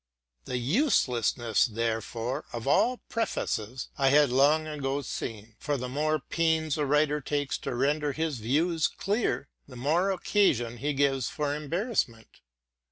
The uselessness, therefore, of all prefaces I had long ago seen; for the more pains a writer takes to render his views clear, the more occasion he gives for embarrassment.